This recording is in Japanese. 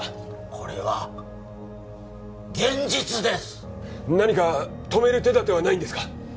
これは現実です何か止める手だてはないんですか？